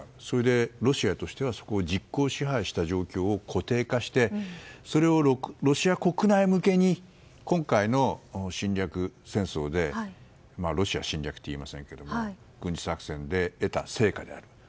それで、ロシアとしてはそこを実効支配した状況を固定化してそれをロシア国内向けに今回の侵略戦争でロシアは侵略とは言いませんけども軍事作戦で得た成果である。